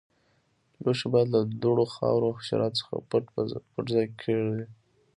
لوښي باید له دوړو، خاورو او حشراتو څخه په پټ ځای کې کېږدئ.